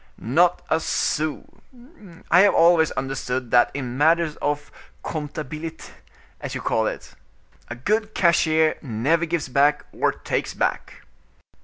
"Not a sou. I have always understood that in matters of comptabilite, as you call it, a good cashier never gives back or takes back."